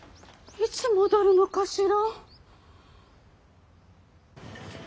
いつ戻るのかしら。